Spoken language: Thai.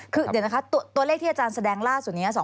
คือเดี๋ยวนะคะตัวเลขที่อาจารย์แสดงล่าสุดนี้